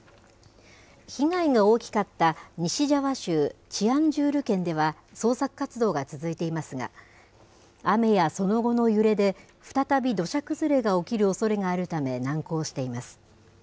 被害が大きかった西ジャワ州チアンジュール県では、捜索活動が続いていますが、雨やその後の揺れで、再び土砂崩れが起きるおそれがあるため、難航しています。